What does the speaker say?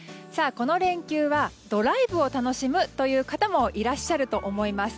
この連休はドライブを楽しむという方もいらっしゃると思います。